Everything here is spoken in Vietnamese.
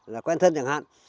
là quen thân chẳng hạn